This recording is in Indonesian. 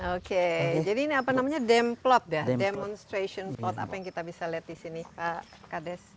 oke jadi ini apa namanya dem plot ya demonstration plot apa yang kita bisa lihat disini kak des